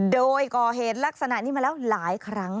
โดยก่อเหตุลักษณะนี้มาแล้วหลายครั้ง